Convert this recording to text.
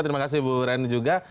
terima kasih bu reni juga